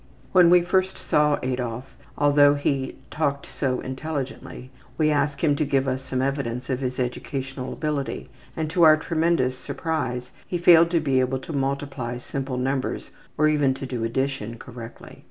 When we first saw Adolf, although he talked so intelligently, we asked him to give us some evidence of his educational ability, and to our tremendous surprise he failed to be able to multiply simple numbers or even to do addition correctly.